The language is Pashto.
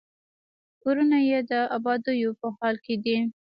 کورونه یې د ابادېدو په حال کې دي.